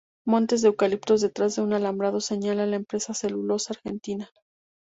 Montes de eucaliptos detrás de un alambrado señala a la empresa Celulosa Argentina.